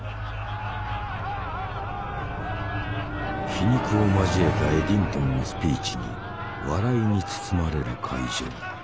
皮肉を交えたエディントンのスピーチに笑いに包まれる会場。